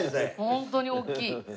ホントにおっきい。